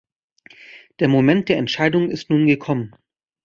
Der Moment der Entscheidung ist nun gekommen.